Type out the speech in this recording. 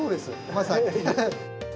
まさに。